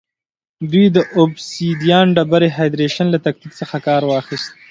دوی د اوبسیدیان ډبرې هایدرېشن له تکتیک څخه کار واخیست